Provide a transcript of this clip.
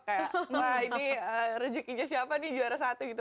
kayak wah ini rezekinya siapa nih juara satu gitu